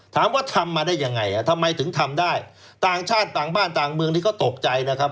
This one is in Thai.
ถามว่าทำมาได้ยังไงทำไมถึงทำได้ต่างชาติต่างบ้านต่างเมืองนี้ก็ตกใจนะครับ